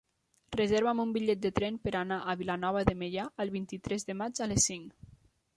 Reserva'm un bitllet de tren per anar a Vilanova de Meià el vint-i-tres de maig a les cinc.